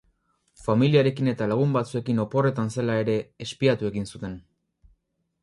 Familiarekin eta lagun batzuekin oporretan zela ere espiatu egin zuten.